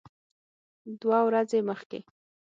دوه ورځې مخکې